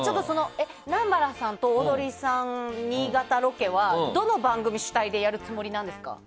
南原さんとオードリーさんの新潟ロケはどの番組主体でやるつもりですか？